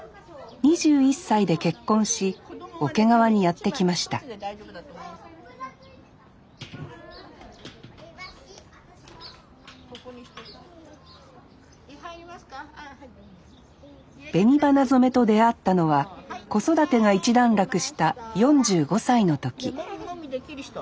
２１歳で結婚し桶川にやって来ました紅花染めと出会ったのは子育てが一段落した４５歳の時もみもみできる人。